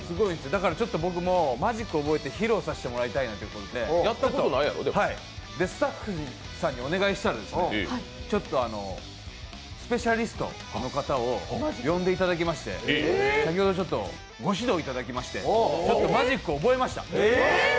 だから僕もマジック覚えて披露させてもらたいと思ってスタッフさんにお願いしたら、スペシャリストの方を呼んでいただきまして先ほどご指導いただきましてマジックを覚えました。